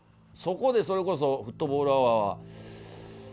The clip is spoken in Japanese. そこでそれこそフットボールアワー。